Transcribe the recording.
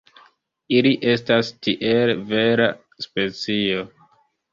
Ili estas tiele vera specio.